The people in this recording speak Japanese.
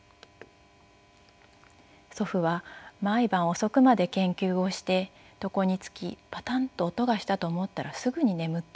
祖父は毎晩遅くまで研究をして床につきパタンと音がしたと思ったらすぐに眠っていた。